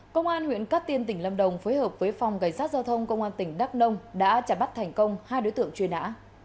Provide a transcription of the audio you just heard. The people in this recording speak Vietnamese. công an huyện cát tiên tỉnh lâm đồng phối hợp với phòng cảnh sát giao thông công an tỉnh đắk nông đã trả bắt thành công hai đối tượng truy nã